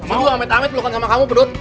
mau amit amit pelukan sama kamu perut